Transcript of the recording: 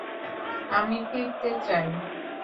আমি ফিরতে চাই।